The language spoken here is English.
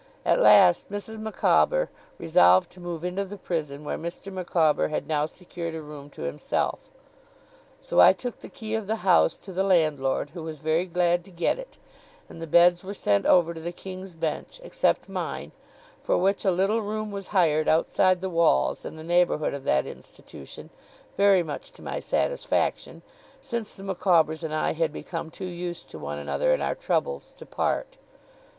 At last Mrs. Micawber resolved to move into the prison, where Mr. Micawber had now secured a room to himself. So I took the key of the house to the landlord, who was very glad to get it; and the beds were sent over to the King's Bench, except mine, for which a little room was hired outside the walls in the neighbourhood of that Institution, very much to my satisfaction, since the Micawbers and I had become too used to one another, in our troubles, to part.